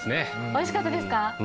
おいしかったですか。